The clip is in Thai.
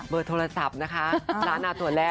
โทรศัพท์นะคะร้านเอาตัวแรก